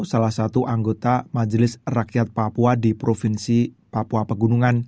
salah satu anggota majelis rakyat papua di provinsi papua pegunungan